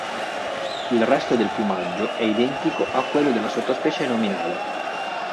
Il resto del piumaggio è identico a quello della sottospecie nominale.